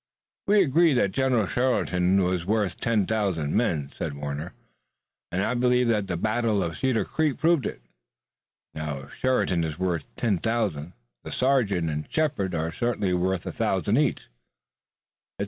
"We agreed that General Sheridan was worth ten thousand men," said Warner, "and I believe that the battle of Cedar Creek proved it. Now if Sheridan is worth ten thousand, the sergeant and Shepard are certainly worth a thousand each.